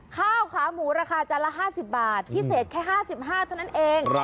ข้าวขาหมูราคาจานละ๕๐บาทพิเศษแค่๕๕เท่านั้นเอง